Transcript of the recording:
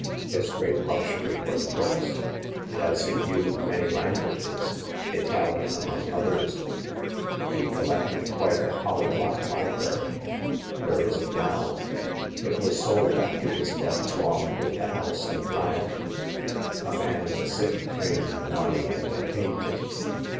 His great luxury was books, and as he knew many lan guages—Italian among others — he collected quite a polyglot library." Where is it now ?"" It was sold after his death along with the house and land. A man in the city claimed the money and obtained it."